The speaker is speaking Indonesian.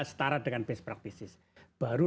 setara dengan best practices baru